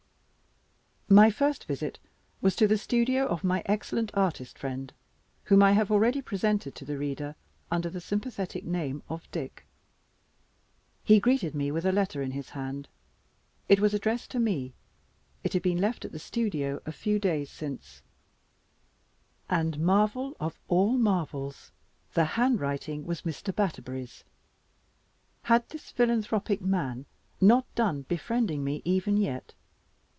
My first visit was to the studio of my excellent artist friend, whom I have already presented to the reader under the sympathetic name of "Dick." He greeted me with a letter in his hand. It was addressed to me it had been left at the studio a few days since; and (marvel of all marvels!) the handwriting was Mr. Batterbury's. Had this philanthropic man not done befriending me even yet?